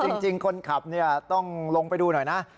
จริงคนขับต้องลงไปดูหน่อยนะ